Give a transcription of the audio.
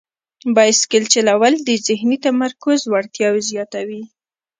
بایسکل چلول د ذهني تمرکز وړتیا زیاتوي.